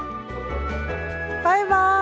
バイバーイ！